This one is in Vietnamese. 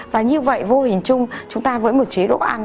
và như vậy vô hình chung chúng ta với một chế độ ăn